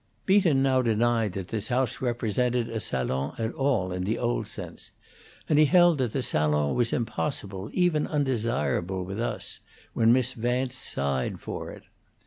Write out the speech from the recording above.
Beaton now denied that this house represented a salon at all, in the old sense; and he held that the salon was impossible, even undesirable, with us, when Miss Vance sighed for it.